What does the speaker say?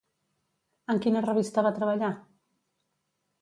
En quina revista va treballar?